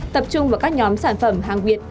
tập trung vào các nhóm sản phẩm hàng việt